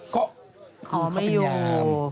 ก็คือเขาเป็นยาม